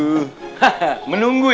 haha menunggu ya